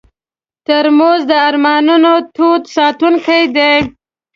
ترموز د ارمانونو تود ساتونکی دی.